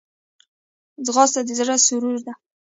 ځغاسته د زړه سرور ده